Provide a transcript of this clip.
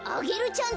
ちゃん